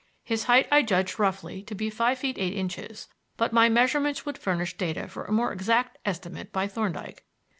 His height I judged roughly to be five feet eight inches, but my measurements would furnish data for a more exact estimate by Thorndyke.